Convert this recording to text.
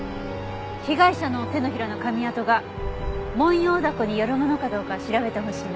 被害者の手のひらの噛み跡がモンヨウダコによるものかどうか調べてほしいの。